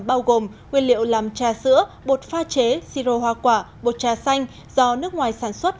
bao gồm nguyên liệu làm trà sữa bột pha chế si rô hoa quả bột trà xanh do nước ngoài sản xuất